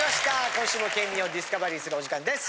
今週も県民をディスカバリーするお時間です。